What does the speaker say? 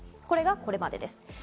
これがこれまでです。